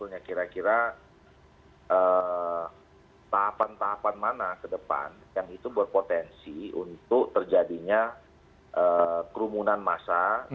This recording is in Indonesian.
nah kira kira tahapan tahapan mana ke depan yang itu berpotensi untuk terjadinya kerumunan massa